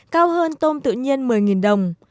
cao hơn tôm tự nhiên một mươi đồng